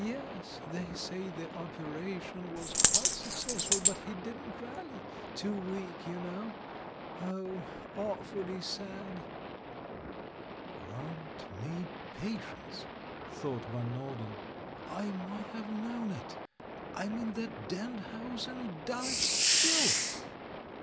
Yes, they say the operation w^as quite suc cessful, but he didn't rally — too weak, you know. Oh, awfully sad!" "Grant me patience!" thought Van Norden; "I might have known it — I'm in that damned house in Dulwich still!"